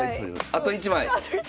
あと１枚！